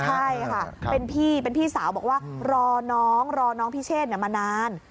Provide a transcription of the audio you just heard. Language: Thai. ใช่ค่ะเป็นพี่เป็นพี่สาวบอกว่ารอน้องรอน้องพิเชษมานาน